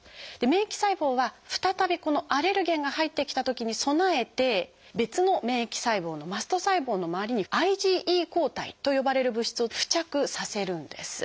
免疫細胞は再びこのアレルゲンが入ってきたときに備えて別の免疫細胞の「マスト細胞」の周りに「ＩｇＥ抗体」と呼ばれる物質を付着させるんです。